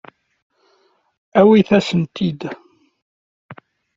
Awit-asent-tent-id.